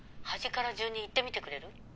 端から順に言ってみてくれる？」